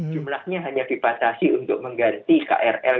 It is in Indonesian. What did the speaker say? jumlahnya hanya dibatasi untuk kualitas